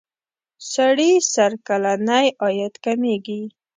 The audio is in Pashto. سړي سر کلنی عاید کمیږي.